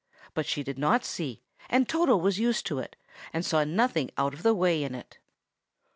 But she did not see, and Toto was used to it, and saw nothing out of the way in it.)